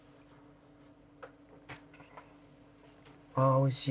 おいしい。